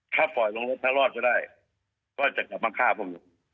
ถ้าปล่อยลงรถถ้ารอดก็ได้ก็จะกลับมาฆ่าผม